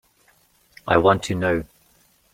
I want to know.